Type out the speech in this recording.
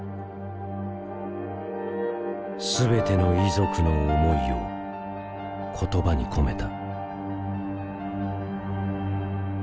全ての遺族の思いを言葉に込めた。